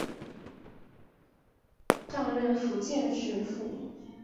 于崇祯年间上任福建巡抚。